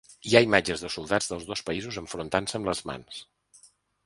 Hi ha imatges de soldats dels dos països enfrontant-se amb les mans.